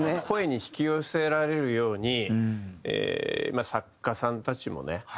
声に引き寄せられるように作家さんたちもね